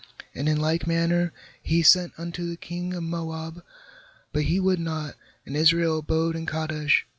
And in like manner he sent unto the king of Moab; but he would not; and Israel abode in Ka desh.